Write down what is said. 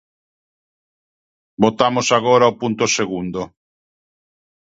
Votamos agora o punto segundo.